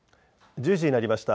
１０時になりました。